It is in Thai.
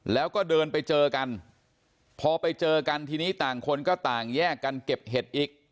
แล้วก็เดินไปเจอกันพอไปเจอกันทีนี้ต่างคนก็ต่างแยกกันเก็บเห็ดอีก